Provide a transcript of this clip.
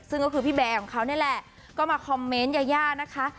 ซึ่งก็คือพี่แบร์ของเขานี่แหละก็มาคอมเมนต์ยายานะคะ